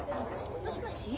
もしもし？